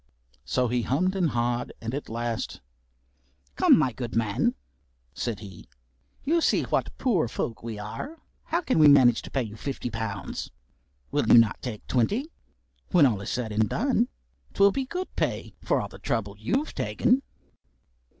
So he hummed and ha'ad and at last, "Come, my good man," said he, "you see what poor folk we are; how can we manage to pay you fifty pounds? Will you not take twenty? When all is said and done, 't will be good pay for the trouble you've taken."